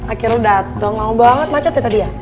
akhirnya lo dateng lama banget macet ya tadi ya